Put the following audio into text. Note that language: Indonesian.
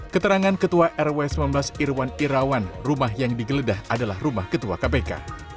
keterangan ketua rw sembilan belas irwan irawan rumah yang digeledah adalah rumah ketua kpk